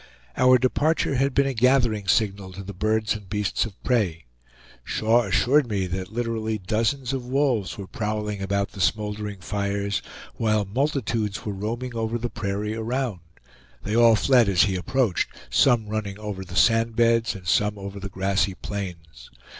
Our departure had been a gathering signal to the birds and beasts of prey; Shaw assured me that literally dozens of wolves were prowling about the smoldering fires, while multitudes were roaming over the prairie around; they all fled as he approached, some running over the sand beds and some over the grassy plains.